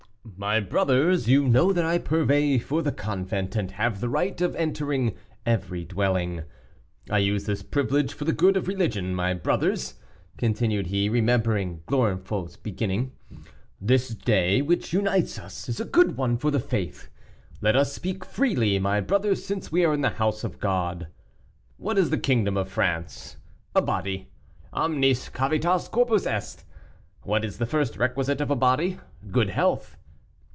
"My brothers, you know that I purvey for the convent, and have the right of entering every dwelling. I use this privilege for the good of religion. My brothers," continued he, remembering Gorenflot's beginning, "this day, which unites us, is a good one for the faith. Let us speak freely, my brothers, since we are in the house of God. "What is the kingdom of France? A body. 'Omnis civitas corpus est.' What is the first requisite of a body? Good health.